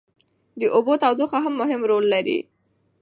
د اوبو تودوخه هم مهم رول لري.